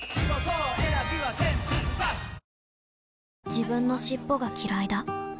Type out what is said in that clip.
自分の尻尾がきらいだ